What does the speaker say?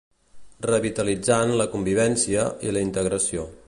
Revitalitzant la convivència i la integració.